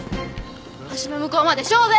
橋の向こうまで勝負！